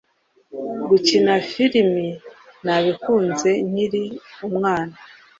Gukina filimi nabikunze nkiri umwana,